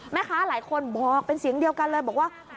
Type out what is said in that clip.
แม่ค้าหลายคนบอกเป็นเสียงเดียวกันเลยบอกว่า